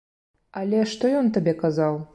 Але, што ён табе казаў?